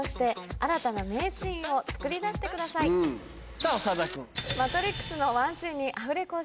さぁ長田君。